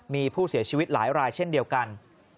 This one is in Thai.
มีผู้เสียชีวิตหลายรายเช่นเดียวกัน